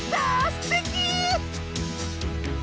すてき！